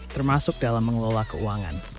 termasuk dalam mengelola keuangan